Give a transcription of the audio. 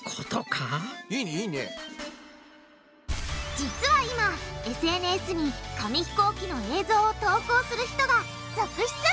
実は今ＳＮＳに紙ひこうきの映像を投稿する人が続出！